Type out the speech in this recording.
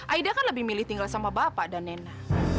aida kan lebih milih tinggal sama bapak dan nenek